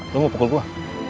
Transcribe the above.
lu mau pukul gua